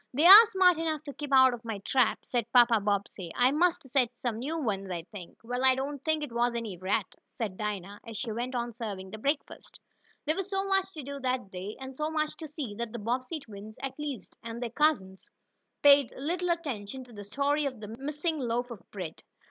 "They are smart enough to keep out of my trap," said Papa Bobbsey. "I must set some new ones, I think." "Well, I don't think it was any rat," said Dinah, as she went on serving breakfast. There was so much to do that day, and so much to see, that the Bobbsey twins, at least, and their cousins, paid little attention to the story of the missing loaf of bread.